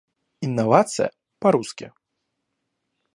Инновации по-русски